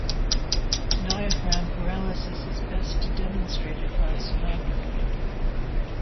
Diaphragm paralysis is best demonstrated by sonography.